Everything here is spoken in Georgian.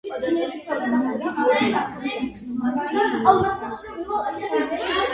ზემო აჭარის მმართველებად ითვლებოდნენ ჯერ ერისთავთ-ერისთავი აბუსერისძენი, ბოლოს კი სანჯაყ-ბეგი ხიმშიაშვილები.